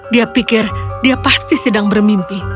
dia pikir dia pasti sedang bermimpi